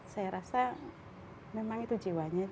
saya rasa memang itu jiwanya